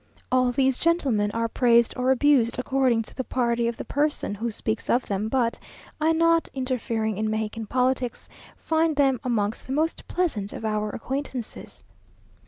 All these gentlemen are praised or abused according to the party of the person who speaks of them; but I not interferring in Mexican politics, find them amongst the most pleasant of our acquaintances.